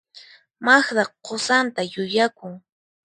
Magda qusanta yuyakun.